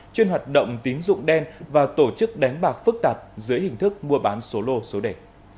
chuyên hoạt động tín dụng đen và tổ chức đánh bạc phức tạp dưới hình thức mua bán số lô số đề